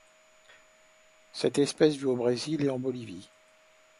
Cette espèce vit au Brésil et en Bolivie.